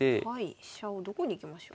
飛車をどこに行きましょう？